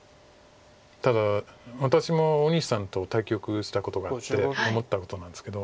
ただ私も大西さんと対局したことがあって思ったことなんですけど。